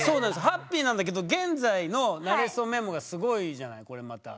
ハッピーなんだけど現在の「なれそメモ」がすごいじゃないこれまた。